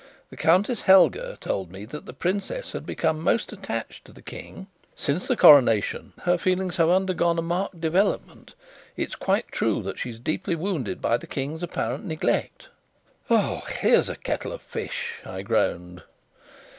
The Countess Helga told me that the princess had become most attached to the King. Since the coronation, her feelings have undergone a marked development. It's quite true that she is deeply wounded by the King's apparent neglect." "Here's a kettle of fish!" I groaned.